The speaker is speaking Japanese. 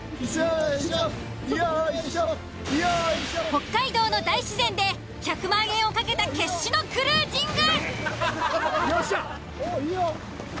［北海道の大自然で１００万円を懸けた決死のクルージング］